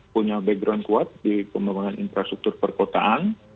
punya background kuat di pembangunan infrastruktur perkotaan